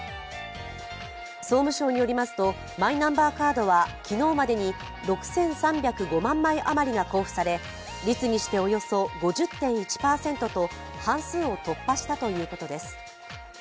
総務省によりますと、マイナンバーカードは昨日までに６３０５万枚余りが交付され、率にしておよそ５０．１％と半数を突破したということです。